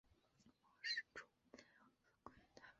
模式种采样自台湾龟山岛。